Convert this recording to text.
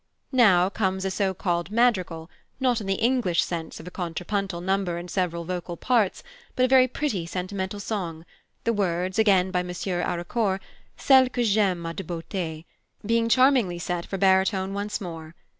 Now comes a so called madrigal, not in the English sense of a contrapuntal number in several vocal parts, but a very pretty sentimental song, the words, again by M. Haraucourt, "Celle que j'aime a de beauté," being charmingly set for baritone once more.